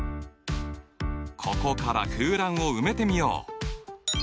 ここから空欄を埋めてみよう。